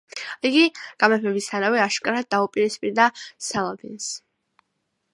იგი გამეფებისთანავე აშკარად დაუპირისპირდა სალადინს.